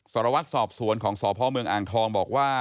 สารวัตรสอบสวนของสพเมืองอ่างทองบอกว่า